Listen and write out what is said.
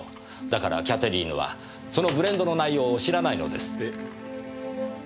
だからキャテリーヌはそのブレンドの内容を知らないのです。